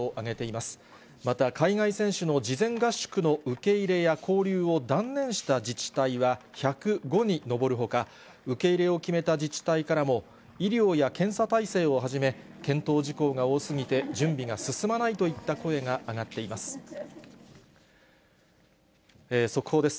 また海外選手の事前合宿の受け入れや交流を断念した自治体は１０５に上るほか、受け入れを決めた自治体からも、医療や検査体制をはじめ、検討事項が多すぎて、準備が進まないといった声が上がっています。